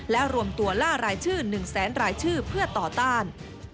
และรวมตัวล่ารายชื่อ๑แสนรายชื่อเพื่อต่อต้าน